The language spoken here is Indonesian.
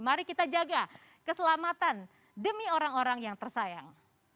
mari kita jaga keselamatan demi orang orang yang tersayang